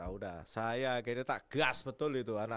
udah saya kayaknya tak gas betul itu